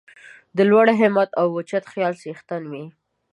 د لوړ همت او اوچت خیال څښتن وي.